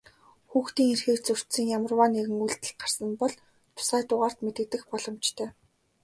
Хүүхдийн эрхийг зөрчсөн ямарваа нэгэн үйлдэл гарсан бол тусгай дугаарт мэдэгдэх боломжтой.